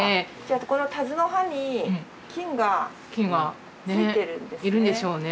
このタズの葉に菌がついてるんですね。